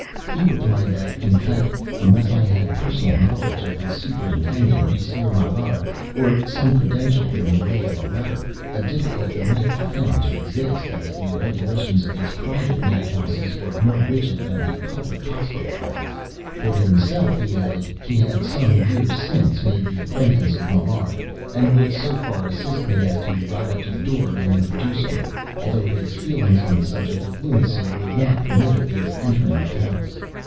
He replied that, in fact, unless I had personal knowledge of the superintendent, Monsieur Maillard, or some credential in the way of a letter, a difficulty might be found to exist, as the regulations of these private mad houses were more rigid than the public hospital laws. For himself, he added, he had, some years since, made the acquaintance of Maillard, and would so far assist me as to ride up to the door and introduce me; although his feelings on the subject of lunacy would not permit of his entering the house.